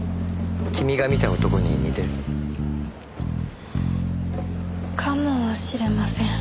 君が見た男に似てる？かもしれません。